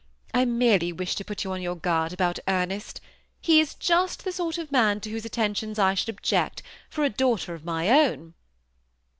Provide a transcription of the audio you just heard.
I merely wished to put you on youp guard about Ernest. He is just the sort of man to whose attentions I should object, for a daughter of my own."